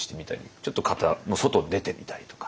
ちょっと型の外出てみたりとか。